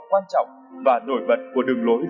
quan trọng và nổi bật của đường lối